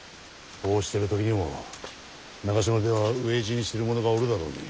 こうしてる時にも長篠では飢え死にしてる者がおるだろうに。